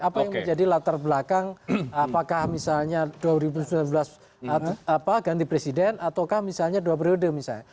apa yang menjadi latar belakang apakah misalnya dua ribu sembilan belas ganti presiden ataukah misalnya dua periode misalnya